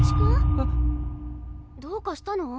えっ？どうかしたの？